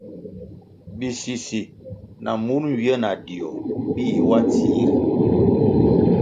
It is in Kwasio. Bisisi na mur nywie na dio bih wa dzihri.